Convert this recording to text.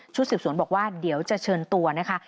ชุดสิบศูนย์บอกว่าเดี๋ยวจะเชิญตัวนะคะ